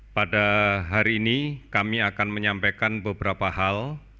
pada hari ini kami akan menyampaikan beberapa hal